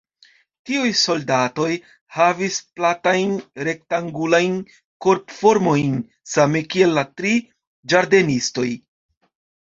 Tiuj soldatoj havis platajn rektangulajn korpformojn same kiel la tri ĝardenistoj.